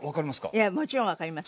いやもちろんわかります。